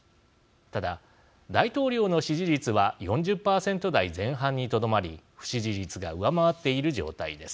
ただ大統領の支持率は４０％台前半にとどまり不支持率が上回っている状態です。